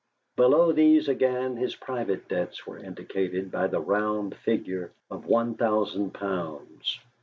Below these again his private debts were indicated by the round figure of one thousand pounds.